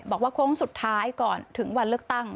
บอกว่าคงสุดท้ายก่อนถึงวันลึกตั้ง